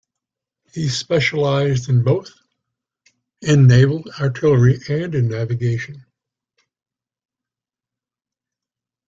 He specialized in both in naval artillery and in navigation.